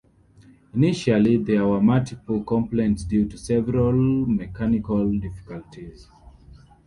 Initially, there were multiple complaints due to several mechanical difficulties.